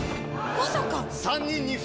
まさか！